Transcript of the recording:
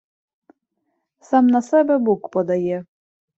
Сам на себе бук подає!